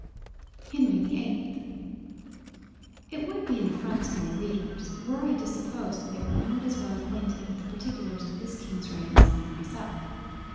HENRY the 8th It would be an affront to my Readers were I to suppose that they were not as well acquainted with the particulars of this King's reign as I am myself.